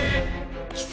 貴様！